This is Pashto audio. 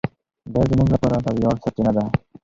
دی زموږ لپاره د ویاړ سرچینه ده.